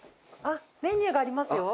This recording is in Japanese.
メニューがありますよ。